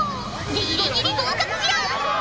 ギリギリ合格じゃ。